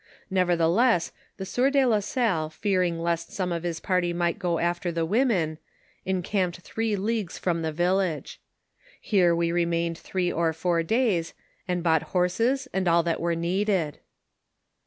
Nevertheless, the sienr de la Salle fearing lest some of his party might go after the women, encamped three leagues from the village. Here we remained three or four days, and bonght horses and all that we needed.